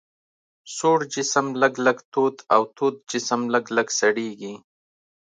سوړ جسم لږ لږ تود او تود جسم لږ لږ سړیږي.